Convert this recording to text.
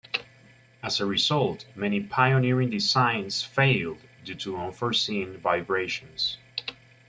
As a result, many pioneering designs failed due to unforeseen vibrations.